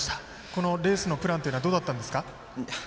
このレースのプランっていうのはどうだったんですか？